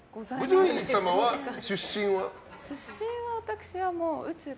五条院様は出身は？